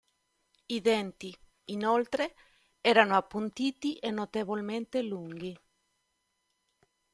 I denti, inoltre, erano appuntiti e notevolmente lunghi.